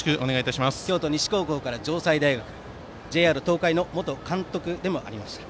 京都西高校から城西大学ＪＲ東海の元監督でもあります。